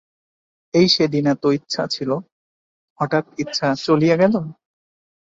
এই সেদিন এত ইচ্ছা ছিল, হঠাৎ ইচ্ছা চলিয়া গেল?